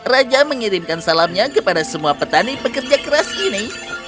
raja mengirimkan salamnya kepada semua petani pekerja keras ini